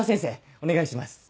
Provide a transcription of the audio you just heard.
お願いします。